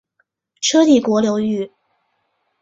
车底国流域。